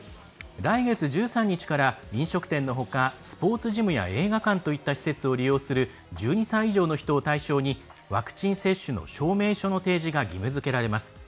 来月１３日から、飲食店のほかスポーツジムや映画館といった施設を利用する１２歳以上の人を対象にワクチン接種の証明書の提示が義務づけられます。